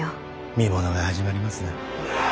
見ものが始まりますな。